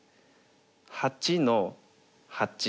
８の八。